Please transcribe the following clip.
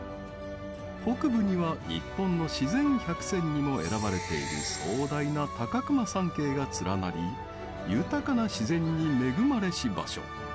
北部には日本の自然百選にも選ばれている壮大な高隈山系が連なり豊かな自然に恵まれし場所。